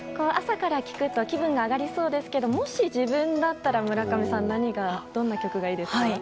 朝から聴くと気分が上がりそうですけどもし自分だったら村上さんどんな曲がいいですか？